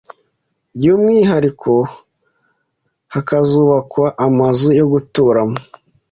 by’umwihariko hakazubakwa amazu yo guturamo.